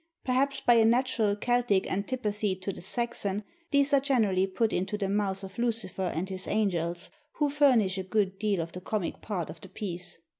Perhaps by a natural Celtic antipathy to the Saxon, these are generally put into the mouths of Lucifer and his angels, who furnish a good deal of the comic part of the piece.